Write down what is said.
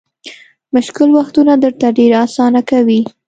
مشکل وختونه درته ډېر اسانه کوي.